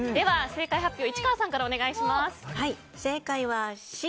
正解発表、市川さんからお願いします。